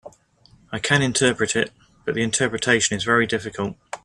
I can interpret it, but the interpretation is very difficult.